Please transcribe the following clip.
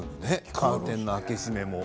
カーテンの開け閉めも。